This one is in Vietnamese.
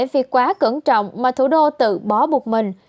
vì quá cẩn trọng mà thủ đô tự bỏ buộc mình